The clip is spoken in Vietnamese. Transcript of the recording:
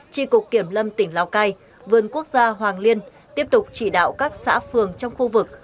tri cục kiểm lâm tỉnh lào cai vườn quốc gia hoàng liên tiếp tục chỉ đạo các xã phường trong khu vực